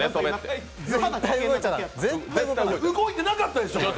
動いてなかったでしょう。